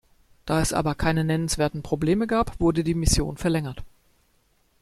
Da es aber keine nennenswerten Probleme gab, wurde die Mission verlängert.